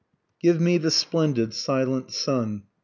GIVE ME THE SPLENDID SILENT SUN.